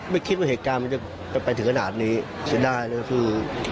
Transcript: ไม่คิดว่าเหตุการณ์มันจะไปถึงขนาดนี้เสียดายเลยคือ